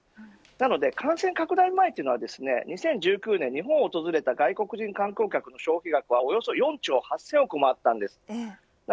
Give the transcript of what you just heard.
なので感染拡大前の２０１９年に日本を訪れた外国人観光客の消費額はおよそ４兆９０００億円ありました。